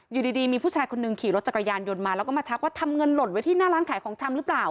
อยู่ดีมีผู้ชายคนหนึ่งขี่รถจักรยานยนต์มาแล้วก็มาทักว่าทำเงินหล่นไว้ที่หน้าร้านขายของชำหรือเปล่า